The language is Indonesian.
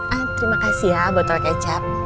ah terima kasih ya botol kecap